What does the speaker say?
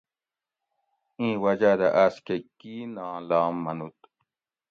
اِیں وجاۤ دہ آۤس کہۤ کِین آں لام منُوت